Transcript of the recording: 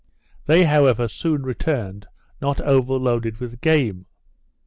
They however soon returned, not overloaded with game.